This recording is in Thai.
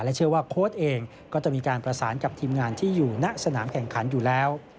เชื่อว่าโค้ชเองก็จะมีการประสานกับทีมงานที่อยู่ณสนามแข่งขันอยู่แล้ว